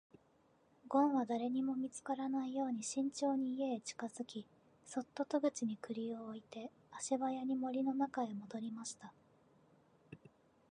ごんは誰にも見つからないよう慎重に家へ近づき、そっと戸口に栗を置いて足早に森の中へ戻りました。